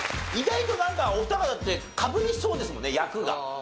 意外となんかお二方ってかぶりそうですもんね役が。